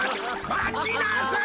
まちなさい。